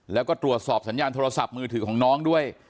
แล้วก็ตรวจสอบสัญญาณโทรศัพท์มือถือของน้องด้วย